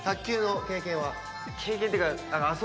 経験っていうか。